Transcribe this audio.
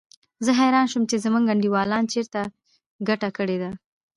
زه حیران شوم چې زموږ انډیوالانو چېرته ګټه کړې ده.